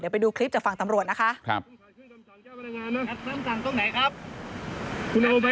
ผมไม่ได้ว่างมานั่งจับรถชื่อขวาชื่อซ้าย